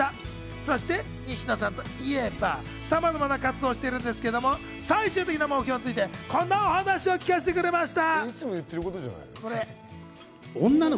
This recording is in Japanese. そして西野さんといえば、さまざまな活動しているんですけど、最終的な目標について、こんなお話を聞かせてくれました。